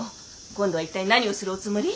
今度は一体何をするおつもり？